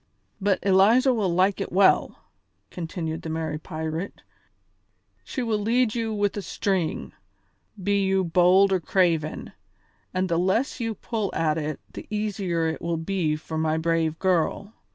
"But Eliza will like it well," continued the merry pirate; "she will lead you with a string, be you bold or craven, and the less you pull at it the easier it will be for my brave girl.